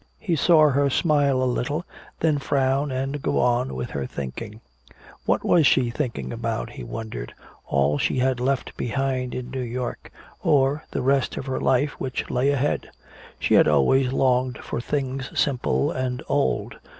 He saw her smile a little, then frown and go on with her thinking. What was she thinking about, he wondered all she had left behind in New York, or the rest of her life which lay ahead? She had always longed for things simple and old.